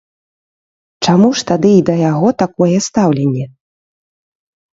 Чаму ж тады да яго такое стаўленне?